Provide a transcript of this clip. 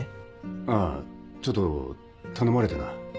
ああちょっと頼まれてな。